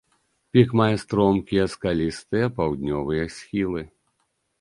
Пік мае стромкія скалістыя паўднёвыя схілы.